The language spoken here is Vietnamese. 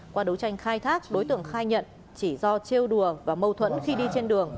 qua đấu tranh khai thác đối tượng khai nhận chỉ do treo đùa và mâu thuẫn khi đi trên đường